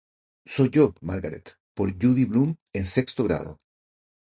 Soy yo, Margaret" por Judy Blume en sexto grado.